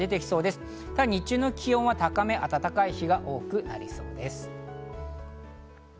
ただ、日中の気温は高め、暖かい日が多くなりそうです。